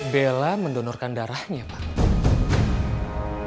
bella mendonorkan darahnya pak